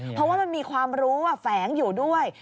เพราะว่ามันมีความรู้แฝงอยู่ด้วย